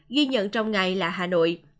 ghi nhận trong ngày là hà nội